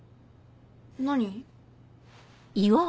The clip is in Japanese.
何？